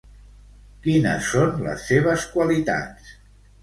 Quines són les seves qualitats?